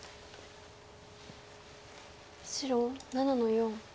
白７の四。